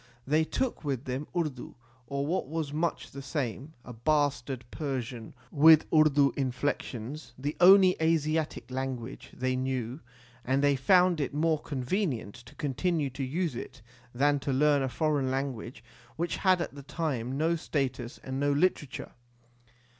They took with them Urdu, or what was much the same a bastard Persian with Urdu inflec tions the only Asiatic language they knew, and they found it more convenient to continue to use it than to learn a foreign language which had at the time no status and no literature.